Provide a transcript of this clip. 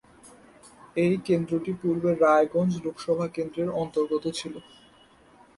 এই কেন্দ্রটি পূর্বে রায়গঞ্জ লোকসভা কেন্দ্রের অন্তর্গত ছিল।